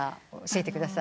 教えてください。